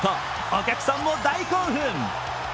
お客さんも大興奮！